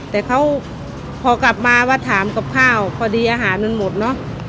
แต่เขาพอกลับมาว่าถามกับข้าวพอดีอาหารมันหมดเนอะ